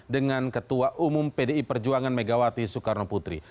dengan ketua umum pdi perjuangan megawati soekarno putri